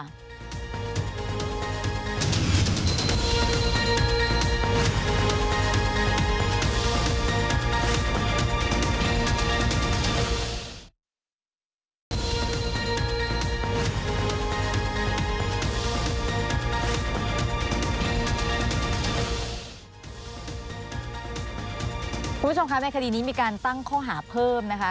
คุณผู้ชมคะในคดีนี้มีการตั้งข้อหาเพิ่มนะคะ